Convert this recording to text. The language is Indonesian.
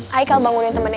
hai kal bangunin temennya